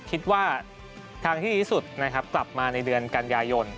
คิดว่าทางที่ดีที่สุดนะครับกลับมาในเดือนกันยายน